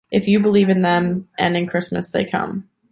If you believe in them and in Christmas, they come.